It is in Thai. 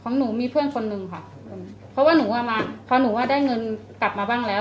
หนูมีเพื่อนคนหนึ่งค่ะเพราะว่าหนูอ่ะมาพอหนูว่าได้เงินกลับมาบ้างแล้ว